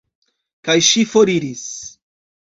Kaj ŝi foriris.